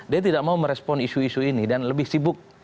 dia tidak mau merespon isu isu ini dan lebih sibuk